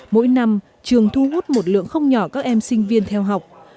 mỗi năm trường thu hút một lượng không nhỏ các em sinh viên theo học